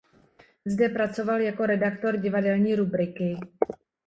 Zde pracoval jako redaktor divadelní rubriky.